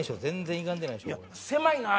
全然。